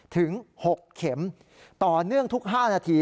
ถึง๖เข็มต่อเนื่องทุก๕นาที